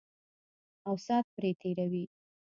او سات پرې تېروي.